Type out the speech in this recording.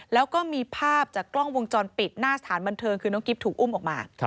แล้วก็มีภาพจากกล้องวงจรปิดหน้าสถานบันเทิงคือน้องกิ๊บถูกอุ้มออกมา